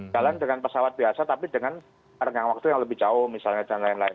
jalan dengan pesawat biasa tapi dengan renggang waktu yang lebih jauh misalnya dan lain lain